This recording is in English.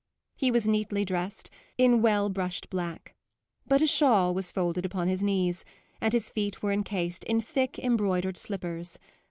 He was neatly dressed, in well brushed black; but a shawl was folded upon his knees, and his feet were encased in thick, embroidered slippers.